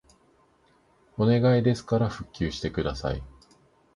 お願いですから復旧してください